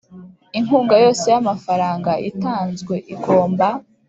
Inkunga yose y amafaranga itanzwe igomba